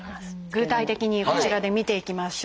具体的にこちらで見ていきましょう。